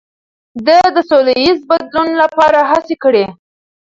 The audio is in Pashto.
ده د سولهییز بدلون لپاره هڅې کړي.